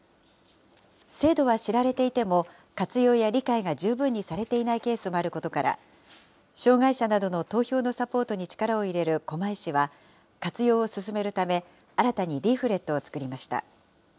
制度は知られていても、活用や理解が十分にされていないケースもあることから、障害者などの投票のサポートに力を入れる狛江市は、活用を進めるため、新たにリーフレットを作りました。